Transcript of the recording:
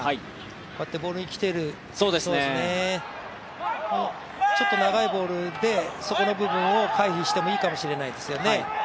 こうやってボールに来ている、長いボールでそこの部分を回避してもいいかもしれないですよね。